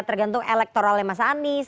tergantung elektoralnya mas anies